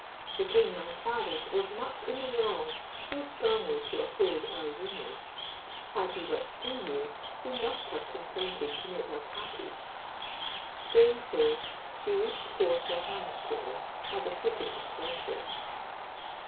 The king my father was much in the wrong so strongly to oppose our union: had he but seen you, he must have consented to make us happy." Saying so, she reached forth her hand to him as a token of friendship.